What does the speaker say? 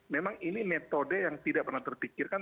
memang ini metode yang tidak pernah terpikirkan